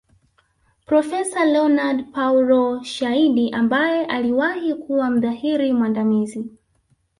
Profesa Leonard Paulo Shaidi ambaye aliwahi kuwa mhadhiri mwandamizi